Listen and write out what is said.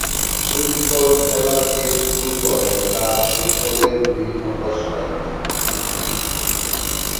Football খেলা দিয়ে শুরু করেন তার ফুটবলের বিভিন্ন কসরত।